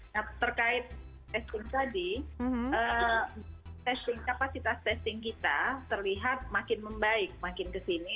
nah terkait testing tadi testing kapasitas testing kita terlihat makin membaik makin kesini